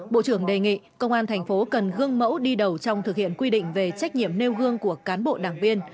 bộ trưởng đề nghị công an thành phố cần gương mẫu đi đầu trong thực hiện quy định về trách nhiệm nêu gương của cán bộ đảng viên